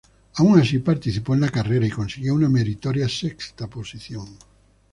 Aun así, participó en la carrera y consiguió una meritoria sexta posición.